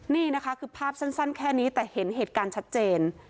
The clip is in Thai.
นี่นะคะคือภาพสั้นแค่นี้แต่เห็นเหตุการณ์ชัดเจน